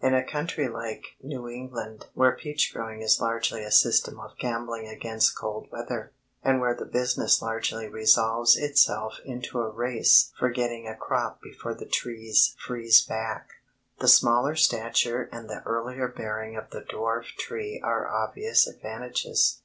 In a country like New England where peach growing is largely a system of gambling against cold weather, and where the business largely resolves itself into a race for getting a crop before the trees freeze back, the smaller stature and the earlier bearing of the dwarf tree are obvious advantages.